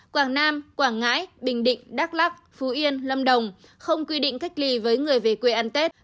quảng nam quảng ngãi bình định đắk lắc phú yên lâm đồng không quy định cách ly với người về quê ăn tết